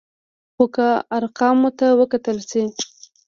خو که ارقامو ته وکتل شي،